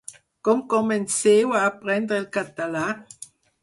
Com comenceu a aprendre el català?